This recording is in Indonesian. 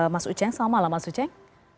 mas uceng selamat malam mas uceng